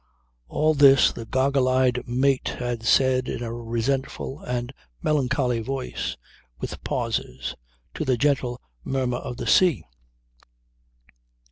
All this the goggle eyed mate had said in a resentful and melancholy voice, with pauses, to the gentle murmur of the sea.